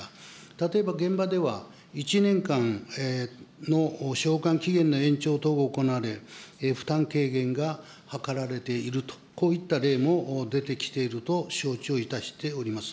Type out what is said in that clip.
例えば現場では、１年間の償還期限の延長等が行われる負担軽減が図られていると、こういった例も出てきていると承知をいたしております。